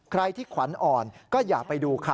ใครที่ขวัญอ่อนก็อย่าไปดูค่ะ